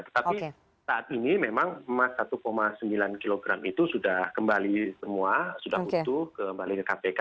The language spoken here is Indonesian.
tetapi saat ini memang emas satu sembilan kg itu sudah kembali semua sudah utuh kembali ke kpk